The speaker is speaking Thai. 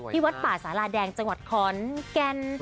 วัดป่าสาราแดงจังหวัดขอนแก่น